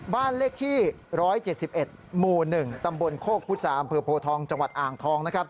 บ้านเลขที่๑๗๑หมู่๑ตำบลโคกพุษาอำเภอโพทองจังหวัดอ่างทองนะครับ